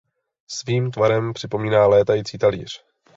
Svým tvarem připomíná létající talíř.